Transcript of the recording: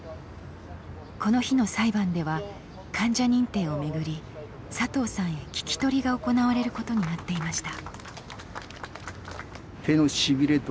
この日の裁判では患者認定をめぐり佐藤さんへ聞き取りが行われることになっていました。